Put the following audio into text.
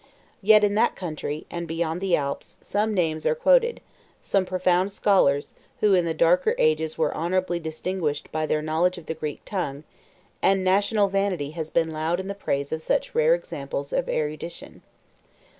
85 Yet in that country, and beyond the Alps, some names are quoted; some profound scholars, who in the darker ages were honorably distinguished by their knowledge of the Greek tongue; and national vanity has been loud in the praise of such rare examples of erudition.